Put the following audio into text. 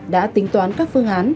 đã tính toán các phương án